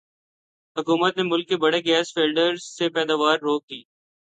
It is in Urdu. حکومت نے ملک کے بڑے گیس فیلڈز سے پیداوار روک دی